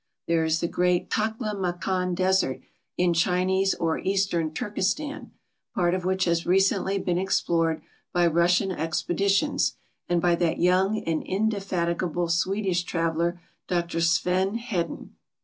There is the great Takla Makan desert in Chinese or Eastern Turkistan, part of which has recently been explored by Russian expeditions and b3^that young and indefatigable Swedish traveler, Dr Sven Hedin.